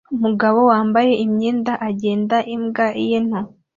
Umugore wambaye imyenda agenda imbwa ye nto